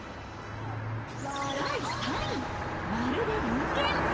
第３位、まるで人間！